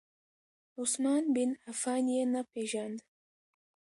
عثمان بن عفان یې نه پیژاند.